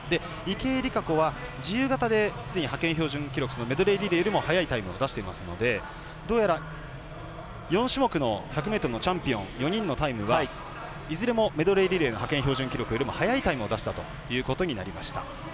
池江璃花子は自由形ですでに派遣標準記録メドレーリレーより速いタイムを出しているのでどうやら４種目の１００ｍのチャンピオン４人のタイムはいずれもメドレーリレーの派遣標準記録よりも速いタイムを出したということになりました。